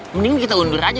mending kita undur aja